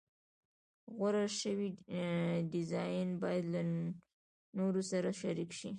غوره شوی ډیزاین باید له نورو سره شریک شي.